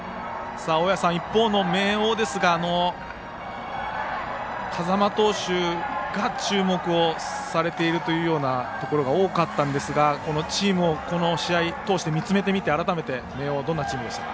大矢さん、一方の明桜ですが風間投手が注目されているところが多かったんですがチームを、この試合を通して見つめてみて、改めて明桜はどんなチームでしたか。